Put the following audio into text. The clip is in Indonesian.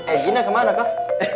eh gina kemana kak